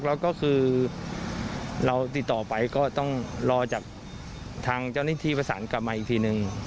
แล้วก็คือเราติดต่อไปก็ต้องรอจากทางเจ้าหน้าที่ประสานกลับมาอีกทีนึง